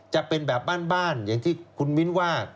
จะเป็นแบบบ้านอย่างที่คุณมิ้นว่า